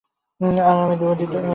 আর আমাকে মুদি দোকানে।